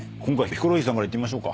ヒコロヒーさんからいってみましょう。